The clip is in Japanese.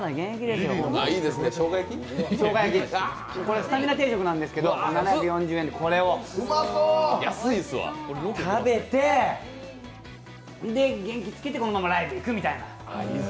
しょうが焼き、スタミナ定食なんですけど、７４０円で、これを食べて、元気つけてこのままライブ行くみたいな。